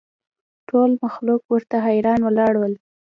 ټول مخلوق ورته حیران ولاړ ول